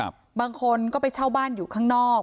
บางคนก็ไปเช่าบ้านอยู่ข้างนอก